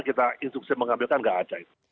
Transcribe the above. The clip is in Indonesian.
kita instruksi mengambilkan nggak ada itu